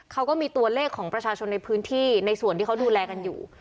เขาก็มีตัวเลขของประชาชนในพื้นที่ในส่วนที่เขาดูแลกันอยู่